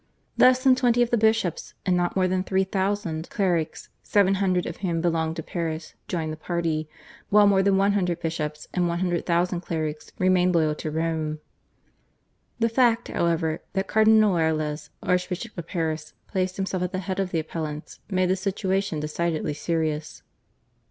Less than twenty of the bishops and not more than three thousand clerics, seven hundred of whom belonged to Paris, joined the party, while more than one hundred bishops and one hundred thousand clerics remained loyal to Rome. The fact, however, that Cardinal Noailles, Archbishop of Paris, placed himself at the head of the /Appellants/ made the situation decidedly serious.